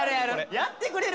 やってくれる？